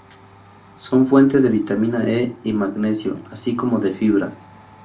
Son fuente de vitamina E y magnesio, así como de fibra.